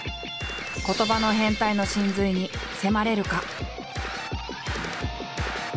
言葉の変態の神髄に迫れるか？